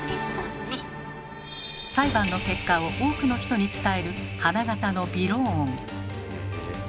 裁判の結果を多くの人に伝える花形の「びろーん」。